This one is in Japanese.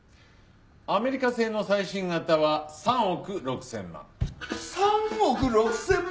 アメリカ製の最新型は３億６０００万。３億６０００万！？